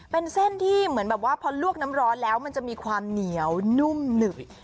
เป็นเส้นที่เหมือนแบบว่าพอลวกน้ำร้อนแล้วมันจะมีความเหนียวนุ่มหนึบ